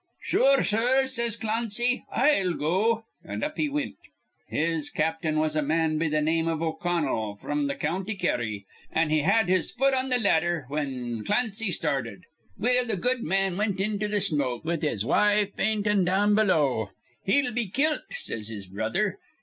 'Sure, sir,' says Clancy, 'I'll go'; an' up he wint. His captain was a man be th' name iv O'Connell, fr'm th' County Kerry; an' he had his fut on th' ladder whin Clancy started. Well, th' good man wint into th' smoke, with his wife faintin' down below. 'He'll be kilt,' says his brother.